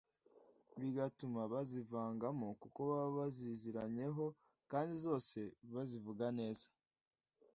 bigatuma bazivangamo kuko baba baziziranyeho kandi zose bazivuga neza